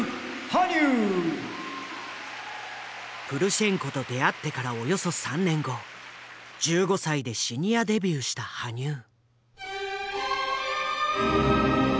プルシェンコと出会ってからおよそ３年後１５歳でシニアデビューした羽生。